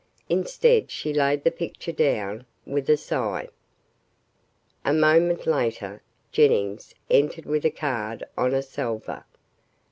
Instead she laid the picture down, with a sigh. A moment later, Jennings entered with a card on a salver.